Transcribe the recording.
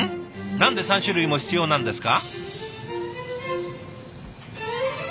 何で３種類も必要なんですか？